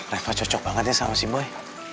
reva cocok banget ya sama si boy